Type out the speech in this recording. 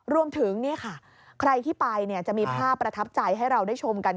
รวมถึงนี่ค่ะใครที่ไปจะมีภาพประทับใจให้เราได้ชมกัน